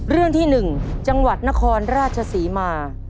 เรื่องที่๑จังหวัดนครราชศรีมา